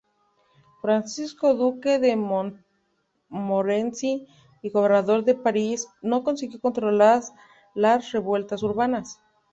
Francisco, duque de Montmorency y gobernador de París, no consiguió controlar las revueltas urbanas.